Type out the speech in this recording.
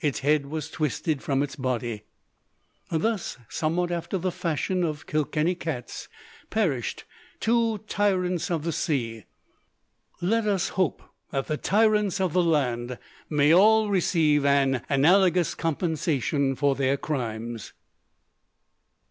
Its head was twisted from its body! Thus, somewhat after the fashion of Kilkenny cats, perished two tyrants of the sea. Let us hope that the tyrants of the land may all receive an analogous compensation for their crimes!